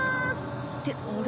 ってあれ？